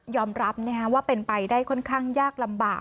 รับว่าเป็นไปได้ค่อนข้างยากลำบาก